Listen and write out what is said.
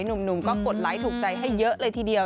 หนุ่มก็กดไลค์ถูกใจให้เยอะเลยทีเดียว